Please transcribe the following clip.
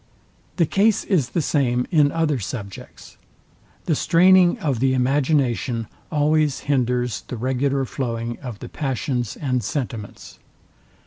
The case is the same in other subjects. The straining of the imagination always hinders the regular flowing of the passions and sentiments.